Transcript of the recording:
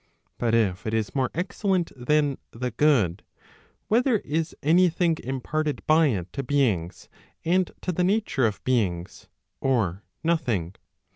But if it is more excellent than the good, whether is any thing imparted by it to beings, and to the nature of beings, or nothing?